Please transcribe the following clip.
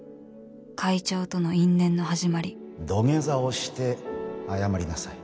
会長との因縁の始まり土下座をして謝りなさい。